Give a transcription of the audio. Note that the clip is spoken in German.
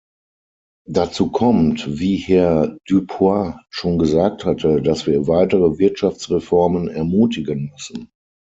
Dazu kommt, wie Herr Dupuis schon gesagt hatte, dass wir weitere Wirtschaftsreformen ermutigen müssen.